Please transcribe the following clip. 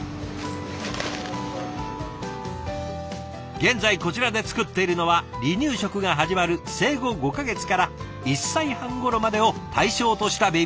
現在こちらで作っているのは離乳食が始まる生後５か月から１歳半ごろまでを対象としたベビーフード。